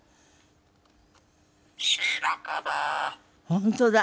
本当だ！